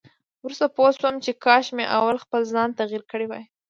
وروسته پوه شو چې کاش مې اول خپل ځان تغيير کړی وای.